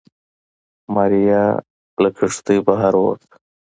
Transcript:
ماريا له کېږدۍ بهر ووته.